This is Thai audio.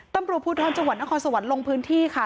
ต้นปรูภูถรวรรณ์จังหวัดน้องคลัวสวรรค์ลงพื้นที่ค่ะ